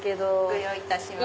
ご用意いたします。